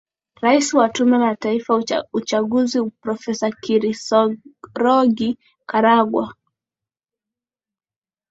rais wa tume ya taifa uchaguzi profesa kirisorogi karangwa